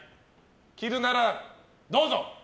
切るならどうぞ！